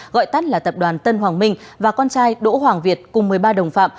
gọi tắt là tập đoàn tân hoàng minh và con trai đỗ hoàng việt cùng một mươi ba đồng phạm